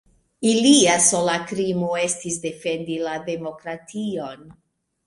Ilia sola krimo estis defendi la demokration.